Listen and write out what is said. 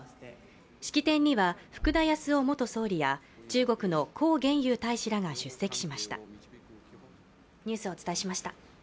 式典には福田康夫元総理や中国の孔鉉佑大使らが出席しました。